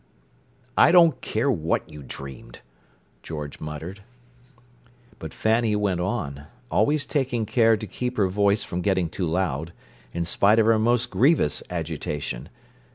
"I don't care what you dreamed," George muttered. But Fanny went on, always taking care to keep her voice from getting too loud, in spite of her most grievous agitation.